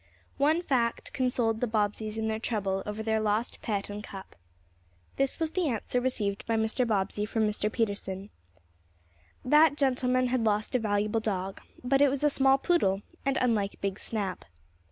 One fact consoled the Bobbseys in their trouble over their lost pet and cup. This was the answer received by Mr. Bobbsey from Mr. Peterson. That gentleman had lost a valuable dog, but it was a small poodle, and unlike big Snap.